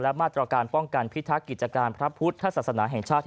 มาตรการป้องกันพิทักษ์กิจการพระพุทธศาสนาแห่งชาติ